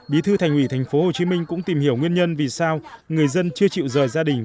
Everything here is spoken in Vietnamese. bí thư thành ủy tp hcm cũng tìm hiểu nguyên nhân vì sao người dân chưa chịu rời gia đình